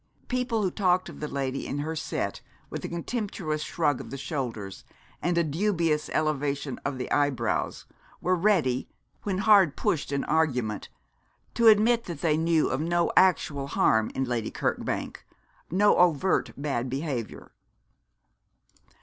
People who talked of the lady and her set with a contemptuous shrug of the shoulders and a dubious elevation of the eyebrows were ready, when hard pushed in argument, to admit that they knew of no actual harm in Lady Kirkbank, no overt bad behaviour.